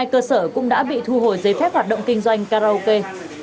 một mươi hai cơ sở đã thu hồi giấy phép hoạt động kinh doanh karaoke